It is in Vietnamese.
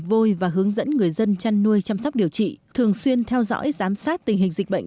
vôi và hướng dẫn người dân chăn nuôi chăm sóc điều trị thường xuyên theo dõi giám sát tình hình dịch bệnh